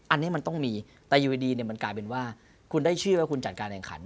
อันนี้มันต้องมีแต่อยู่ดีมันกลายเป็นว่าคุณได้ชื่อว่าคุณจัดการแห่งขัน